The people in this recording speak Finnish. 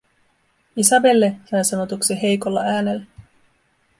“Isabelle?”, sain sanotuksi heikolla äänellä.